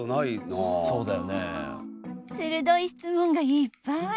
するどい質問がいっぱい！